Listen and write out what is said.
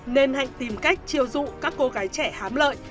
nên hạnh tìm cách chiều dụ các cô gái trẻ hám lợi